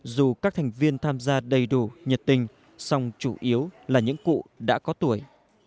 dù các thành viên tham gia đầy đủ nhiệt tình song chủ yếu là những cụ đã có tuổi